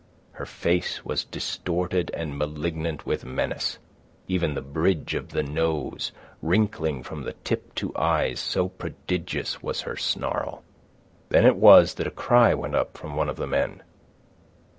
Her face was distorted and malignant with menace, even the bridge of the nose wrinkling from tip to eyes so prodigious was her snarl. Then it was that a cry went up from one of the men.